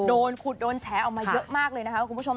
โดนขุดโดนแฉออกมาเยอะมากเลยนะคะคุณผู้ชม